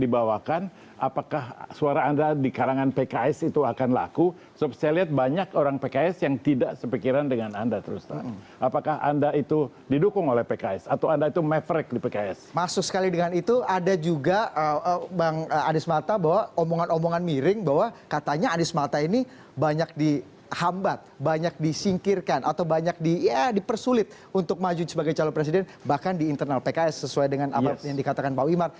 bang anies mata bahwa omongan omongan miring bahwa katanya anies mata ini banyak dihambat banyak disingkirkan atau banyak dipersulit untuk maju sebagai calon presiden bahkan di internal pks sesuai dengan apa yang dikatakan pak wimar